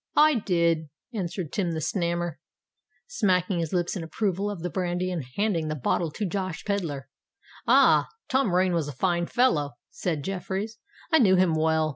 "I did," answered Tim the Snammer, smacking his lips in approval of the brandy, and handing the bottle to Josh Pedler. "Ah! Tom Rain was a fine fellow!" said Jeffreys. "I knew him well.